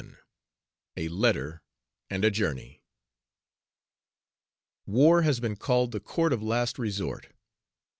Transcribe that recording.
XI A LETTER AND A JOURNEY War has been called the court of last resort.